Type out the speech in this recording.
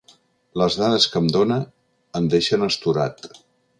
Les dades que em dóna em deixen astorat.